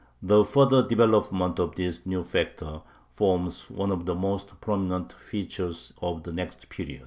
The further development of this new factor forms one of the most prominent features of the next period.